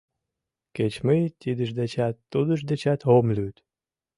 Кеч мый тидыж дечат, тудыж дечат ом лӱд.